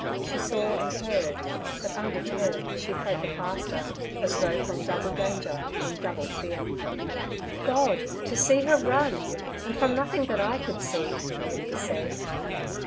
She saw and heard, but, undeterred, she fled the faster, as though from double danger in double fear. 'God! to see her run, and from nothing that I could see' he said.